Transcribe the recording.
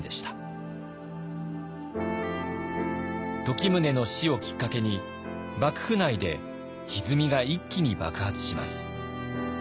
時宗の死をきっかけに幕府内でひずみが一気に爆発します。